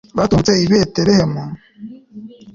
batungutse i betelehemu